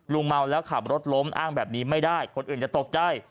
เมาแล้วขับรถล้มอ้างแบบนี้ไม่ได้คนอื่นจะตกใจ